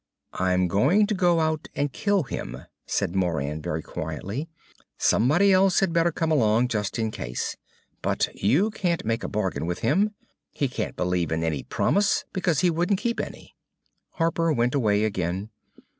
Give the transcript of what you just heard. "I'm going to go out and kill him," said Moran very quietly. "Somebody else had better come along just in case. But you can't make a bargain with him. He can't believe in any promise, because he wouldn't keep any." Harper went away again.